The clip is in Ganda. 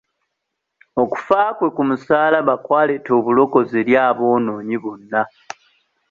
Okufa kwe ku musaalaba kwaleeta obulokozi eri aboonoonyi bonna.